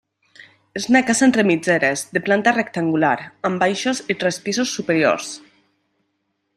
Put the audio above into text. És una casa entre mitgeres, de planta rectangular, amb baixos i tres pisos superiors.